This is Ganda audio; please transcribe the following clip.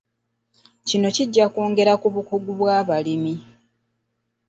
Kino kijja kwongera ku bukugu kw'abalimi.